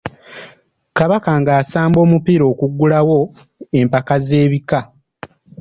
Kabaka ng’asamba omupiira okuggulawo empaka z’ebika.